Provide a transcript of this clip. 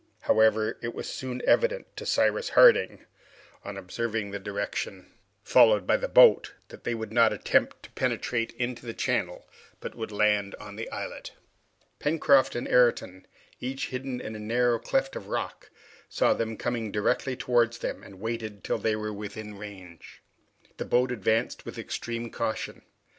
However, it was soon evident to Cyrus Harding, on observing the direction followed by the boat, that they would not attempt to penetrate into the channel, but would land on the islet. Pencroft and Ayrton, each hidden in a narrow cleft of the rock, saw them coming directly towards them, and waited till they were within range. The boat advanced with extreme caution.